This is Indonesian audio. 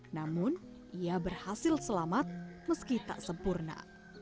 namun ia berhasil selamat meski tak sempurna